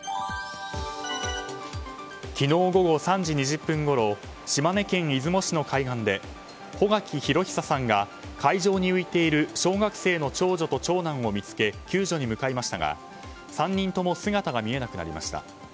昨日午後３時２０分ごろ島根県出雲市の海岸で穂垣裕久さんが海上に浮いている小学生の長女と長男を見つけ救助に向かいましたが、３人とも姿が見えなくなりました。